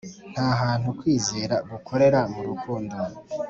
nta hantu kwizera gukorera mu rukundo